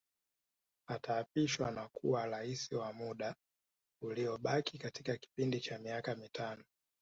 Ataapishwa na kuwa Rais wa muda uliobakia katika kipindi cha miaka mitano